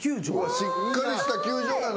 しっかりした球場やな。